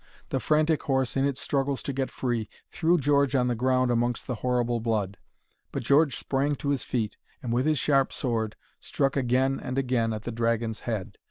The frantic horse, in its struggles to get free, threw George on the ground amongst the horrible blood. But George sprang to his feet, and with his sharp sword struck again and again at the dragon's head.